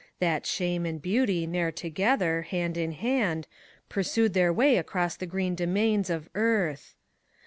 That Shame and Beauty ne'er together, hand in hand, Pursued their way across the green domains of Earth.